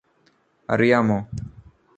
അറിയാമോ